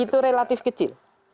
itu relatif kecil